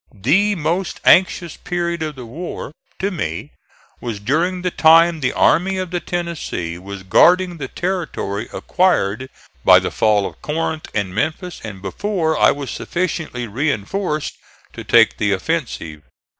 The most anxious period of the war, to me, was during the time the Army of the Tennessee was guarding the territory acquired by the fall of Corinth and Memphis and before I was sufficiently reinforced to take the offensive.